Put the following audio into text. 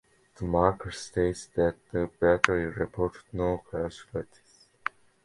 The marker states that the battery reported no casualties.